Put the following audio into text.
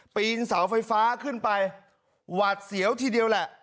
ปีนเสาไฟฟ้าขึ้นไปหวาดเสียวทีเดียวแหละ